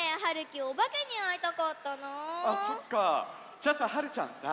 じゃあさはるちゃんさ